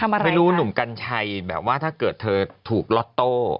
ไม่รู้หนุ่มกัญชัยแบบว่าถ้าเกิดเธอถูกล็อตโต้